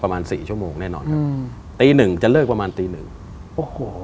ประมาณสี่ชั่วโมงแน่นอนครับอืมตีหนึ่งจะเลิกประมาณตีหนึ่งโอ้โห